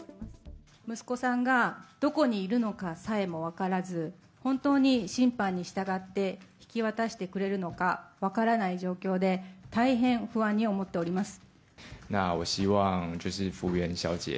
息子さんがどこにいるのかさえも分からず、本当に審判に従って、引き渡してくれるのか分からない状況で、大変不安に思っております。